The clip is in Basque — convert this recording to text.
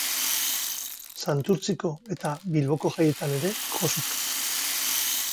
Santurtziko eta Bilboko jaietan ere jo zuten.